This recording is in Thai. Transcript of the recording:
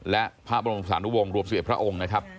และพระบรมศาลุวงศ์รวม๑๑พระองค์นะครับ